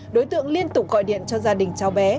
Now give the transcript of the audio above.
đối tượng liên tục gọi điện cho gia đình cháu bé